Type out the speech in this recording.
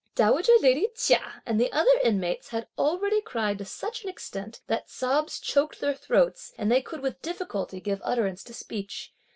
Dowager lady Chia and the other inmates had already cried to such an extent that sobs choked their throats and they could with difficulty give utterance to speech.